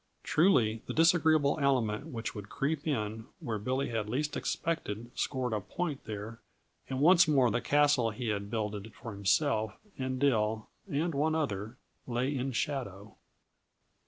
Truly, the disagreeable element which would creep in where Billy had least expected scored a point there, and once more the castle he had builded for himself and Dill and one other lay in shadow.